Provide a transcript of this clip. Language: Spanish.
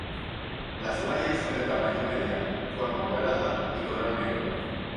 Las bayas son de tamaño mediano, forma ovalada y color negro.